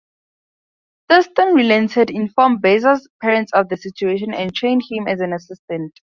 Thurston relented, informed Besser's parents of the situation, and trained him as an assistant.